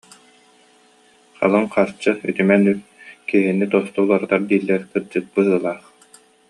Халыҥ харчы, үтүмэн үп киһини тосту уларытар дииллэрэ кырдьык быһыылаах